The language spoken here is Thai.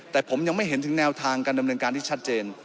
แต่ผมยังไม่เห็นถึงแนวทางการดำเนินการที่ชัดเจน